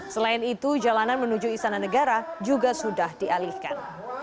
selain itu jalanan menuju istana negara juga sudah dialihkan